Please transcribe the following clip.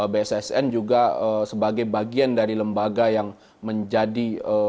bssn juga sebagai bagian dari lembaga yang menjadi